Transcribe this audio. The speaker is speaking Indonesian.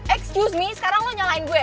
excuse nih sekarang lo nyalain gue